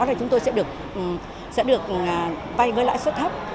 là chúng tôi sẽ được vay với lãi suất thấp